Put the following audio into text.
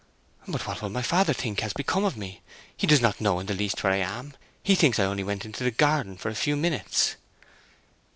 "But what will my father think has become of me? He does not know in the least where I am—he thinks I only went into the garden for a few minutes."